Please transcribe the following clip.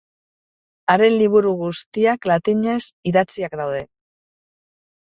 Haren liburu guztiak latinez idatziak daude.